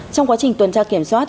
trong quá trình tuần tra kiểm soát